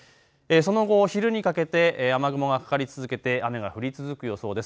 その後昼にかけて雨雲がかかり続けて雨が降り続く予想です。